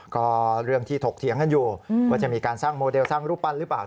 ก็เรื่องที่ถกเถียงกันอยู่ว่าจะมีการสร้างโมเดลสร้างรูปปั้นหรือเปล่า